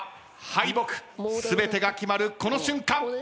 全てが決まるこの瞬間。